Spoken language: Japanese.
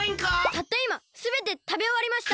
たったいますべてたべおわりました！